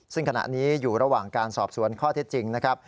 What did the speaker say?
ซึ่งขณะนี้อยู่ระหว่างการสอบสวนข้อเท็จจริงนะครับ